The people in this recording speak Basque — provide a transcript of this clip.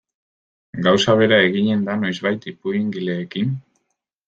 Gauza bera eginen da noizbait ipuingileekin?